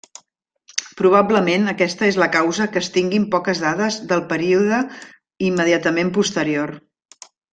Probablement aquesta és la causa que es tinguin poques dades del període immediatament posterior.